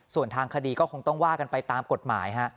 ส่วนทางคดีก็คงต้องว่ากันไปตามกฎหมายฮะ